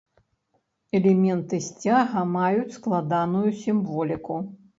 Элементы сцяга маюць складаную сімволіку.